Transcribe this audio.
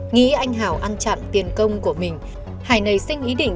nghĩ anh hào ăn chặn tiền công của mình hải nảy sinh ý định